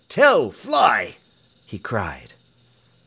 Tell, fly!" he cried.